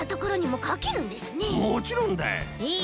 もちろんだ！へえ。